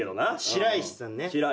白石さん。